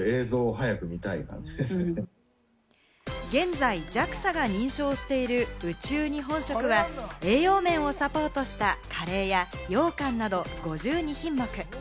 現在、ＪＡＸＡが認証している宇宙日本食は栄養面をサポートしたカレーや、ようかんなど５２品目。